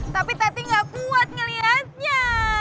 tapi teti gak kuat ngelihatnya